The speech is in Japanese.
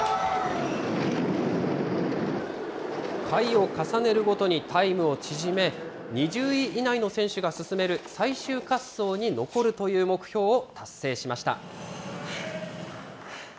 回を重ねるごとにタイムを縮め、２０位以内の選手が進める最終滑走に残るという目標を達成しました。